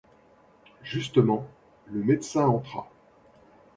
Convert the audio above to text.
Justement, le médecin entra.